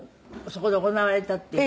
そこで行われたって。